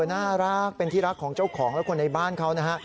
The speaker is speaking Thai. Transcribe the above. น่ารักเป็นที่รักของเจ้าของและคนในบ้านเขานะฮะ